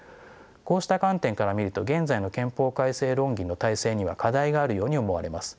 こうした観点から見ると現在の憲法改正論議の体制には課題があるように思われます。